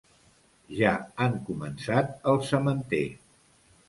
Ja han començat el sementer.